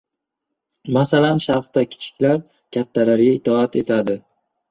Masalan, Sharqda kichiklar kattalarga itoat etadi.